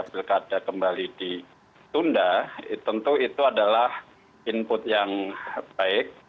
pilkada kembali ditunda tentu itu adalah input yang baik